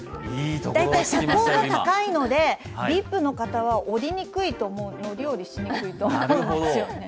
大体、車高が高いのでＶＩＰの方は乗り降りしにくいと思うんですよね。